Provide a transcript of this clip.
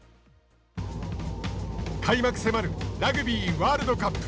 開幕迫るラグビーワールドカップ。